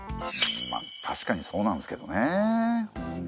ま確かにそうなんですけどね。